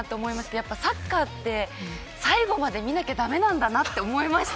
やっぱサッカーって最後まで見なきゃ駄目なんだなと思いました。